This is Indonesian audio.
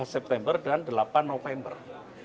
dua puluh empat september dan delapan november